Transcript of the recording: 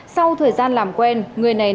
sau thời gian làm quen người này nảy